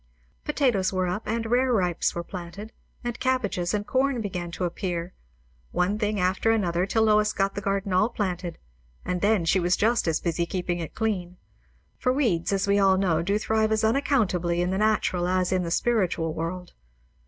Potatoes were up, and rare ripes were planted, and cabbages; and corn began to appear. One thing after another, till Lois got the garden all planted; and then she was just as busy keeping it clean. For weeds, we all know, do thrive as unaccountably in the natural as in the spiritual world.